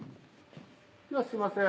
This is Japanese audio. ではすいません。